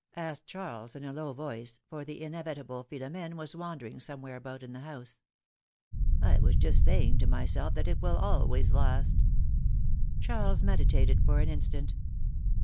asked Charles in a low voice, for the inevitable Philom^ne was wandering somewhere about in the house. I was just saying to myself that it will always last." diaries meditated for an instant.